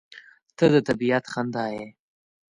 • ته د طبیعت خندا یې.